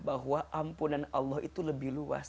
bahwa ampunan allah itu lebih luas